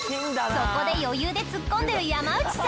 そこで余裕でツッコんでる山内さん！